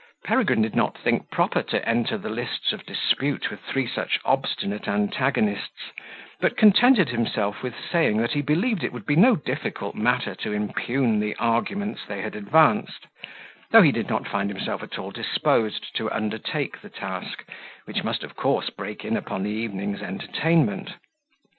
Peregrine did not think proper to enter the lists of dispute with three such obstinate antagonists, but contented himself with saying that he believed it would be no difficult matter to impugn the arguments they had advanced; though he did not find himself at all disposed to undertake the task, which must of course break in upon the evening's entertainment.